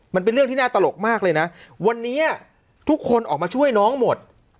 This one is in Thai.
มันเป็นเรื่องที่น่าตลกมากเลยนะวันนี้ทุกคนออกมาช่วยน้องหมด